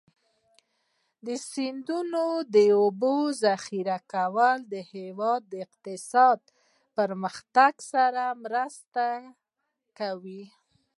د سیندونو د اوبو ذخیره کول د هېواد اقتصادي پرمختګ سره مرسته کوي.